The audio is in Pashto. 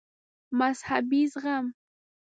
مذهبي زغم